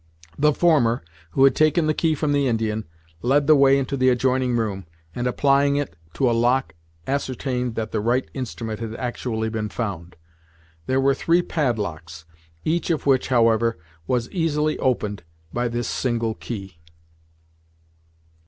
The former, who had taken the key from the Indian, led the way into the adjoining room, and applying it to a lock ascertained that the right instrument had actually been found. There were three padlocks, each of which however was easily opened by this single key.